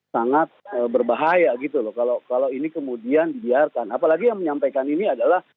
sangat berbahaya gitu loh kalau ini kemudian dibiarkan apalagi yang menyampaikan ini adalah